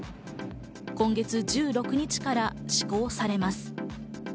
今月１６日から施行されます。